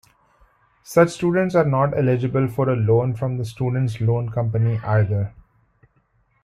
Such students are not eligible for a loan from the Students Loan Company either.